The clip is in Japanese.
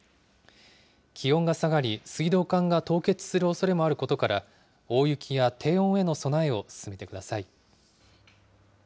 気温が下がり、水道管が凍結するおそれもあることから、大雪や低温への備えを進めてください。